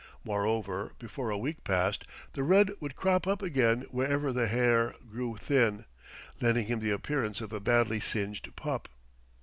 Moreover, before a week passed, the red would crop up again wherever the hair grew thin, lending him the appearance of a badly singed pup.